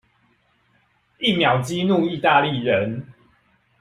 一秒激怒義大利人